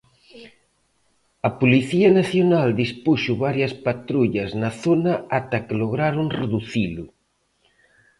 A Policía Nacional dispuxo varias patrullas na zona ata que lograron reducilo.